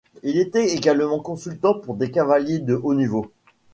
Il était également consultant pour des cavaliers de haut niveau.